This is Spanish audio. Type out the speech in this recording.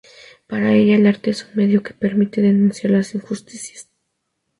Para ella, el arte es un medio que permite denunciar las injusticias.